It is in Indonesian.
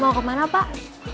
mau kemana pak